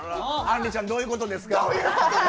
あんりちゃん、どういうことですか？